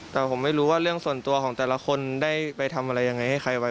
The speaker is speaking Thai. แต่ผมไม่รู้ว่าเรื่องส่วนตัวของแต่ละคนได้ไปทำอะไรยังไงให้ใครไว้